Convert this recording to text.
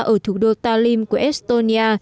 ở thủ đô talim của estonia